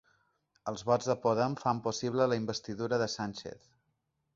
Els vots de Podem fan possible la investidura de Sánchez